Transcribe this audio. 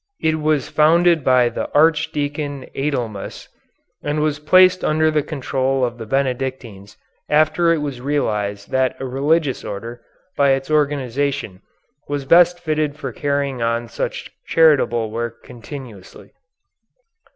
It was founded by the Archdeacon Adelmus, and was placed under the control of the Benedictines after it was realized that a religious order, by its organization, was best fitted for carrying on such charitable work continuously.